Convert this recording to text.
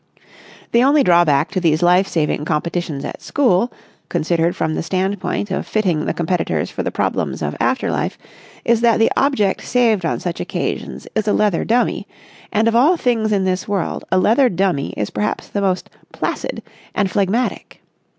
The only drawback to these life saving competitions at school, considered from the standpoint of fitting the competitors for the problems of afterlife, is that the object saved on such occasions is a leather dummy, and of all things in this world a leather dummy is perhaps the most placid and phlegmatic.